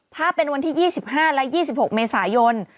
ถ้าเป็นวันที่๒๕และ๒๖เมษายน